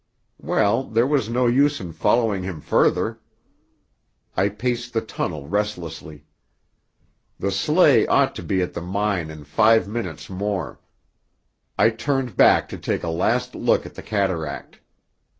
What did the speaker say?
Well, there was no use in following him further. I paced the tunnel restlessly. The sleigh ought to be at the mine in five minutes more. I turned back to take a last look at the cataract.